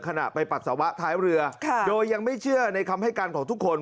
ขณะไปปัสสาวะท้ายเรือโดยยังไม่เชื่อในคำให้การของทุกคน